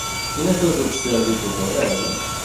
Quines dues opcions li proposa ella?